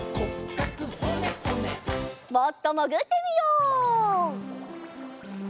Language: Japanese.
もっともぐってみよう。